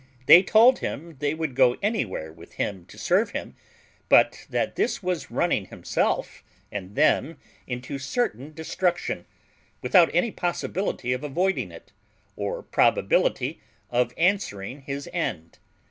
They told him they would go anywhere with him to serve him, but that this was running himself and them into certain destruction, without any possibility of avoiding it, or probability of answering his end.